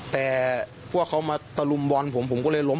แต่พวกเขามาตะลุมบอลผมผมก็เลยล้ม